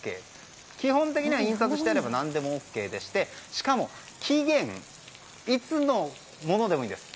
基本的には印刷してあれば何でもＯＫでしてしかも期限いつのものでもいいんです。